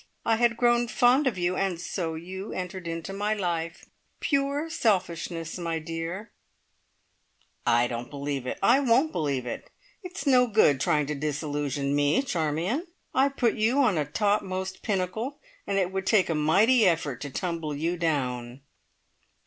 I had grown fond of you, and so you entered into my life. Pure selfishness, my dear!" "I don't believe it! I won't believe it! It's no good trying to disillusion me, Charmion. I've put you on a topmost pinnacle, and it would take a mighty effort to tumble you down!"